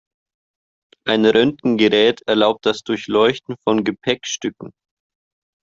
Ein Röntgengerät erlaubt das Durchleuchten von Gepäckstücken.